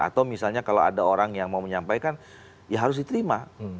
atau misalnya kalau ada orang yang mau menyampaikan ya harus diterima